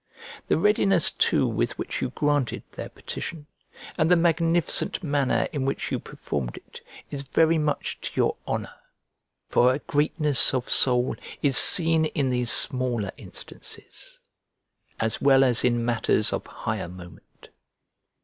The readiness too with which you granted their petition, and the magnificent manner in which you performed it, is very much to your honour; for a greatness of soul is seen in these smaller instances, as well as in matters of higher moment.